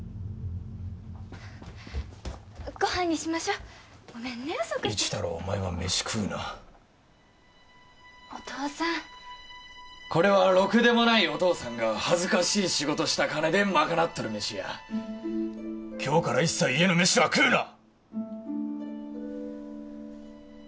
ご飯にしましょうごめんね遅くなって一太郎お前は飯食うなお父さんこれはろくでもないお父さんが恥ずかしい仕事した金でまかなっとる飯や今日から一切家の飯は食うなッ